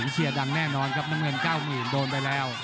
เชียร์ดังแน่นอนครับน้ำเงิน๙๐๐โดนไปแล้ว